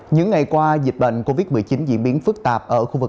những ngày qua dịch bệnh covid một mươi chín diễn biến phức tạp